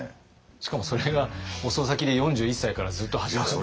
しかもそれが遅咲きで４１歳からずっと続いてる。